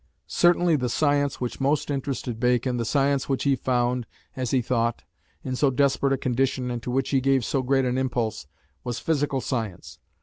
Certainly the science which most interested Bacon, the science which he found, as he thought, in so desperate a condition, and to which he gave so great an impulse, was physical science.